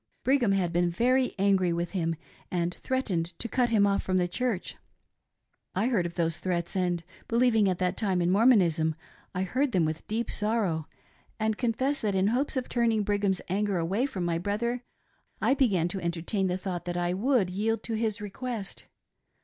Brigham had been very angry with him and threatened to cut him off from the Church. I heard of those threats, and believing at that time in Mor monism, I heard them with deep sorrow, and confess that, in hopes of turning righam's anger away from my brother, I began to entertain the thought that I would yield to his request.